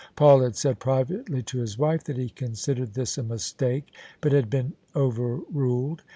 Paul had said privately to his wife that he considered this a mistake, but had been overruled.